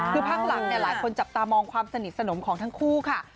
คือพักหลังหลายคนจับตามองความสนิทสนมของทั้งคู่ค่ะ